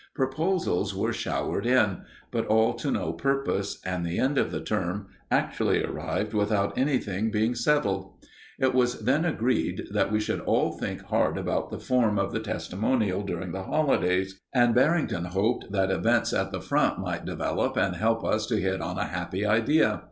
Proposals were showered in, but all to no purpose, and the end of the term actually arrived without anything being settled. It was then agreed that we should all think hard about the form of the testimonial during the holidays, and Barrington hoped that events at the Front might develop and help us to hit on a happy idea.